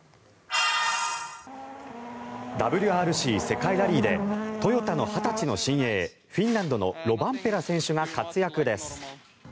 ＷＲＣ・世界ラリーでトヨタの２０歳の新鋭フィンランドのロバンペラ選手が活躍です。